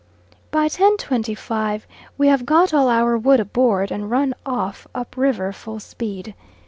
By 10.25 we have got all our wood aboard, and run off up river full speed.